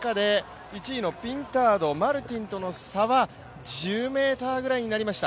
その中で１位のピンタードマルティンとの差は１０ｍぐらいになりました